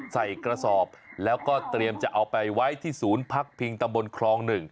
ใส่กระสอบแล้วก็เตรียมจะเอาไปไว้ที่ศูนย์พักพิงตำบลคลอง๑